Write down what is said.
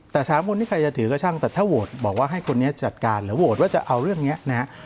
แต่สามคนนี้ใครจะถือก็ช่างแต่ถ้าโหวตบอกว่าให้คนนี้จัดการหรือโหวตว่าจะเอาเรื่องนี้นะฮะ